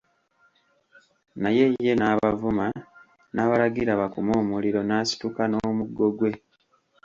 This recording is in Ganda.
Naye ye n'abavuma, n'abalagira bakume omuliro, n'asituka n'omuggo gwe.